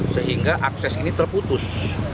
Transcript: sehingga akses ini terputus